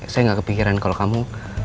saya gak kepikiran kalau kamu